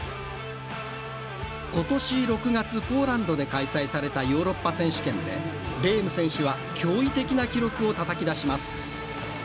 ことし６月ポーランドで開催されたヨーロッパ選手権でレーム選手は驚異的な記録をたたきだします。